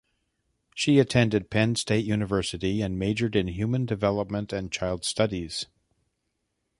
She attended Penn State University and majored in human development and child studies.